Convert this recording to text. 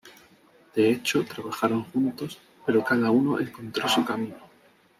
De hecho, trabajaron juntos, pero cada uno encontró su camino.